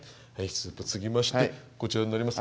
スープつぎましてこちらになります。